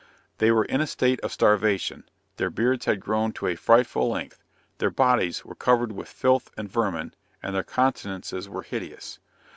They were in a state of starvation; their beards had grown to a frightful length, their bodies, were covered with filth and vermin, and their countenances were hideous.